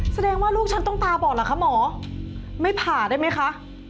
แสดงว่าลูกฉันต้องตาบอดเหรอคะหมอไม่ผ่าได้ไหมคะ